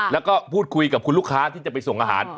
แล้วก็พูดคุยกับคุณลูกค้าที่จะไปส่งอาหาร